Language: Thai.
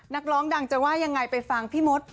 นักร้องดังจะว่าอย่างง่ายไปฟังพี่โอ๊ต